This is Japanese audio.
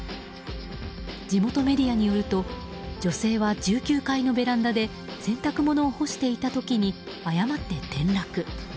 地元メディアによると女性は１９階のベランダで洗濯物を干していた時に誤って転落。